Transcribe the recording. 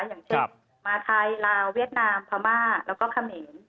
อย่างเช่นมาไทยลาวเวียดนามพม่าแล้วก็เขมร